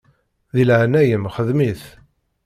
Di leɛnaya-m xdem-it.